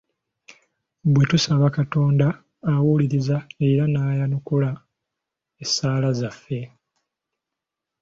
Bwe tusaba Katonda, awuliriza era n'ayanukula essaala zaffe.